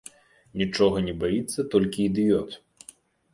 Нічога не баіцца толькі ідыёт.